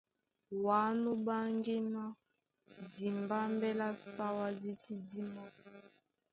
Wǎ nú ɓáŋgí ná dimbámbɛ́ lá Sáwá dí sí dímá.